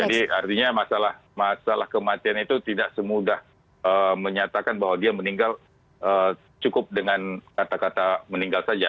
jadi artinya masalah kematian itu tidak semudah menyatakan bahwa dia meninggal cukup dengan kata kata meninggal saja